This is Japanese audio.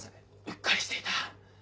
うっかりしていた。